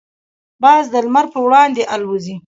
باز د لمر پر وړاندې الوزي.